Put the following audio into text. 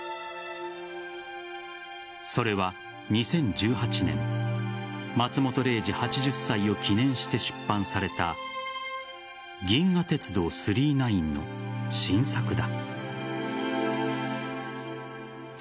それは、２０１８年松本零士、８０歳を記念して出版された「銀河鉄道９９９」の新作だ。